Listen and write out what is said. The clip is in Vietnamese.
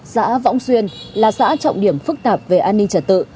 xã võng xuyên là xã trọng điểm phức tạp về an ninh trật tự